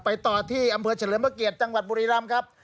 ไปต่อที่อำเภอเฉลิมเกียจจังหวัดบุรีรัมป์ครับ